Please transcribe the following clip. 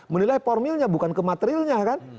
menilai formilnya bukan kematerilnya kan